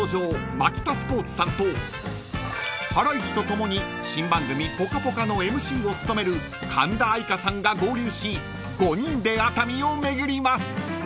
マキタスポーツさんとハライチと共に新番組『ぽかぽか』のＭＣを務める神田愛花さんが合流し５人で熱海を巡ります］